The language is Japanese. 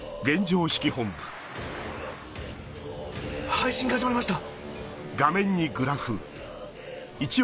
配信が始まりました！